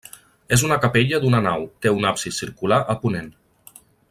És una capella d'una nau, té un absis circular a ponent.